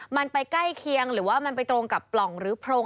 มันไปใกล้เคียงหรือว่ามันไปตรงกับปล่องหรือโพรง